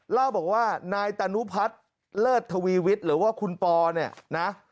เล่าบอกว่านายตานุพัฒน์เลิศทวีวิทย์หรือว่าคุณปอเนี่ยนะ